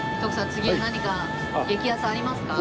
次は何か激安ありますか？